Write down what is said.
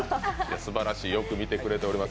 すばらしいよく見てくれています。